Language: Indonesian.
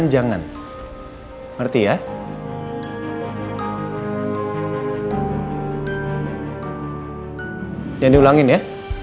jangan diulangin ya